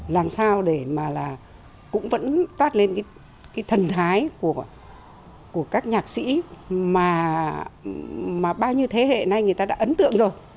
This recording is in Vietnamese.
làm sao để mà là cũng vẫn toát lên cái thần thái của các nhạc sĩ mà bao nhiêu thế hệ nay người ta đã ấn tượng rồi